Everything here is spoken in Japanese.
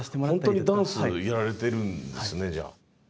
本当にダンスやられてるんですねじゃあ。